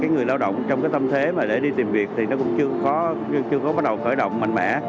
người lao động trong cái tâm thế mà để đi tìm việc thì nó cũng chưa có bắt đầu khởi động mạnh mẽ